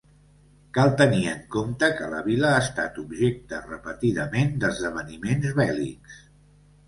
Cal tenir en compte que la vila ha estat objecte, repetidament, d'esdeveniments bèl·lics.